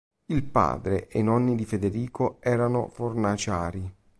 Il padre e i nonni di Federico erano “fornaciari”.